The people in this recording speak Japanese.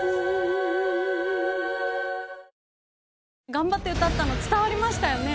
頑張って歌ったの伝わりましたよね？